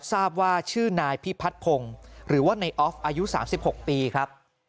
ทราบว่าชื่อนายพิพัฒนพงศ์หรือว่าในออฟอายุ๓๖ปีครับ